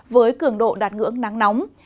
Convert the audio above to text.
với cường độ đặt ngưỡng nắng nóng